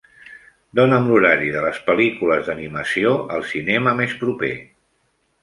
Dona'm l'horari de les pel·lícules d'animació al cinema més proper.